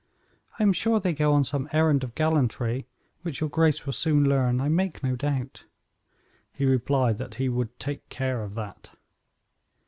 I am sure they go on some errand of gallantry, which your grace will soon learn, I make no doubt." He replied that he "would take care of that."